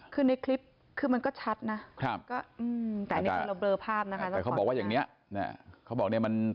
คือมันก็ชัดนะก็อืมแต่ตรงนี้เราเบลอภาพนะคะ